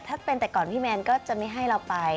ถ้าเป็นแต่ก่อนพี่แมนก็จะไม่ให้เราไป